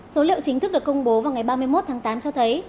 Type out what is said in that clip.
số liệu chính thức được công bố vào ngày ba mươi một tháng tám cho thấy